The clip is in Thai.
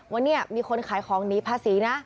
วันนี้มีคนแขของนี้ภาษีนะ